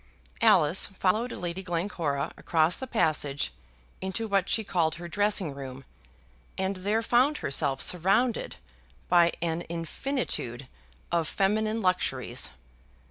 Alice followed Lady Glencora across the passage into what she called her dressing room, and there found herself surrounded by an infinitude of feminine luxuries.